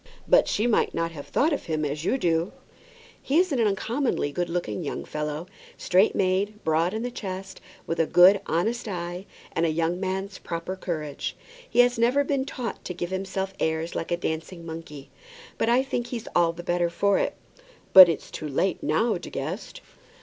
"But she might not have thought of him as you do." "He is an uncommonly good looking young fellow; straight made, broad in the chest, with a good, honest eye, and a young man's proper courage. He has never been taught to give himself airs like a dancing monkey; but I think he's all the better for that." "But it's too late now, De Guest."